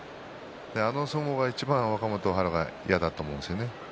あの相撲が若元春が嫌だと思うんですよね。